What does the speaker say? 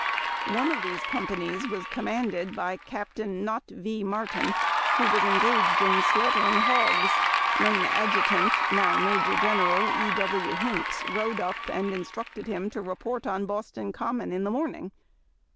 One of these companies was commanded by Cap tain Knott V. Martin, who was engaged in slaughtering hogs when Adjutant (now Major General) E. W. Hinks rode up and instructed him to report on Boston Common in the morning.